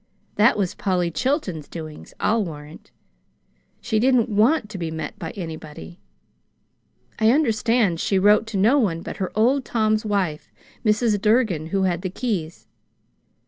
That was Polly Chilton's doings, I'll warrant. She didn't WANT to be met by anybody. I understand she wrote to no one but her Old Tom's wife, Mrs. Durgin, who had the keys."